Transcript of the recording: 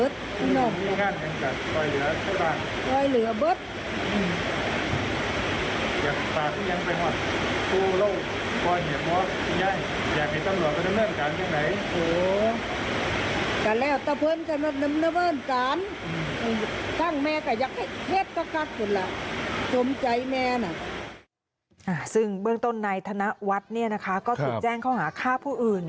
ซึ่งเบื้องต้นในธนวัฒน์นี้นะคะก็ถูกแจ้งเข้าหาฆ่าผู้อื่น